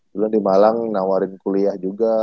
dulu di malang nawarin kuliah juga